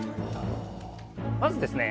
まずですね